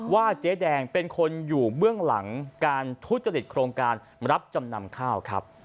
เจ๊แดงเป็นคนอยู่เบื้องหลังการทุจริตโครงการรับจำนำข้าวครับ